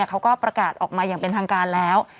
เขาก็ประกาศออกมาอย่างเป็นทางการแล้ว